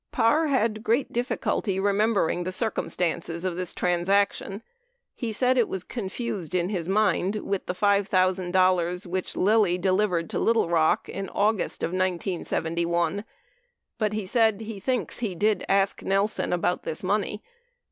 Parr had great difficulty in remembering the circumstances of this transaction. He said it was confused in his mind with the $5,000 which Lilly delivered to Little Rock in August of 1971, but he said he thinks he did ask Nelson about this money.